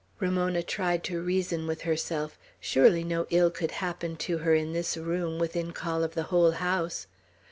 Ramona tried to reason with herself; surely no ill could happen to her, in this room, within call of the whole house.